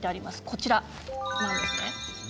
こちらなんですね。